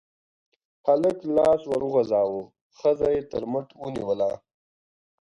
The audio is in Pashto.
هلک لاس ور وغزاوه، ښځه يې تر مټ ونيوله.